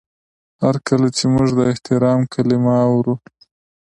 هر کله چې موږ د احترام کلمه اورو.